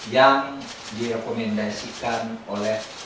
yang direkomendasikan oleh